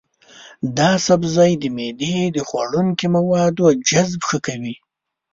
دا سبزی د معدې د خوړنکي موادو جذب ښه کوي.